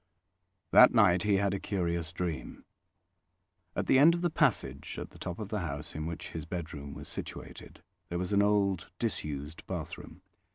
That night he had a curious dream. At the end of the passage at the top of the house, in which his bedroom was situated, there was an old disused bathroom.